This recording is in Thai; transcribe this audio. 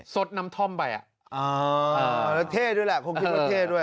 สดน้ำท่อมไปแล้วเท่ด้วยแหละคงคิดว่าเท่ด้วย